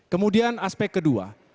kemudian aspek kedua